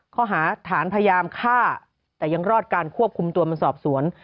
ข้อหาฐานพยายามฆ่าแต่ยังรอดการควบคุมตัวมาสอบสวน